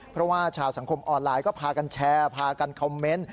เพราะว่าชาวสังคมออนไลน์ก็พากันแชร์พากันคอมเมนต์